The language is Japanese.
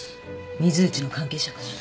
水内の関係者かしら？